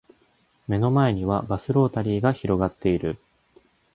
目の前にはバスロータリーが広がっている